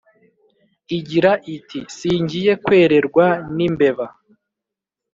igira iti :"singiye kwererwa n' imbeba".